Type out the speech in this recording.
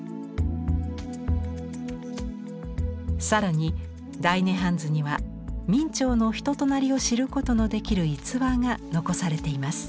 更に「大涅槃図」には明兆の人となりを知ることのできる逸話が残されています。